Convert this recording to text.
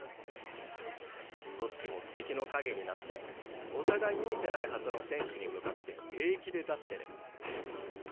どっちも敵の陰になってお互い見えてないはずの選手に向かって平気で出してる。